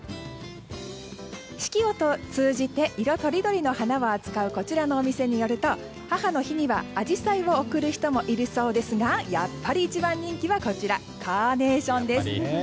四季を通じて色とりどりの花を扱うこちらのお店によると母の日にはアジサイを贈る人もいるそうですがやっぱり１番人気はこちらのカーネーション。